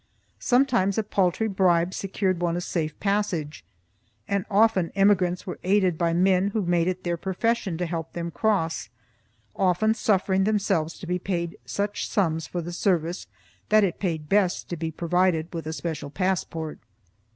Some times a paltry bribe secured one a safe passage, and often emigrants were aided by men who made it their profession to help them cross, often suffering themselves to be paid such sums for the service that it paid best to be provided with a special passport.